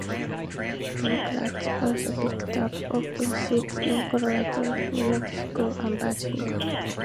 Democrats also picked up open seats in Colorado, New Mexico, and Virginia.